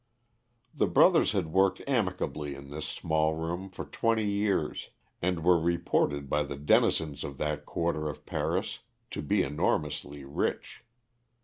The brothers had worked amicably in this small room for twenty years, and were reported by the denizens of that quarter of Paris to be enormously rich.